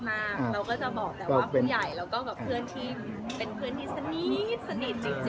เราก็จะบอกแบบว่าผู้ใหญ่เราก็เป็นเพื่อนที่สนิทจริง